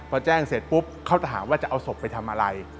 พอแจ้งเสร็จปุ๊บเขาถามว่าจะเอาศพไปทำอะไร